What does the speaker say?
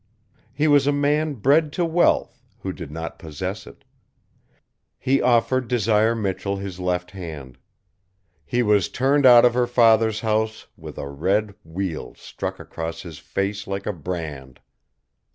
He was a man bred to wealth, who did not possess it. He offered Desire Michell his left hand. He was turned out of her father's house with a red weal struck across his face like a brand.